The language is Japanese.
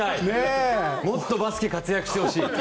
もっとバスケ活躍してほしい。